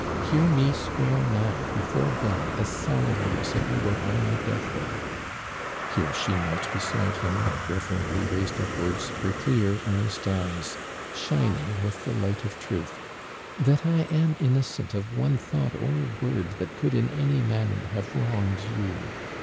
Hear me swear now before God as solemnly as if I were on my death bed," here she knelt beside him, and re verently raisetl upwards her clear earnest eyes, shining with the light of truth, "that 1 am innocent of one tlionght or word that could in any manner have wrongml you.